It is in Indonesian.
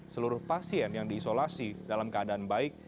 seluruh pasien yang diisolasi dalam keadaan baik